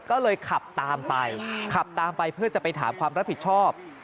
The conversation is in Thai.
ก็เลยขับตามไปเพื่อจะไปถามความรับผิดชอบ